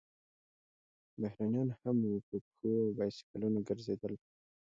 بهرنیان هم وو، په پښو او بایسکلونو ګرځېدل.